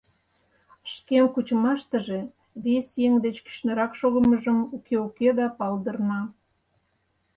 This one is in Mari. Шкем кучымаштыже вес еҥ деч кӱшнырак шогымыжо, уке-уке да, палдырна.